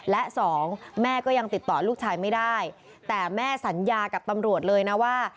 และสองแม่ก็ยังติดต่อลูกชายไม่ได้แต่แม่สัญญากับตำรวจเลยนะว่า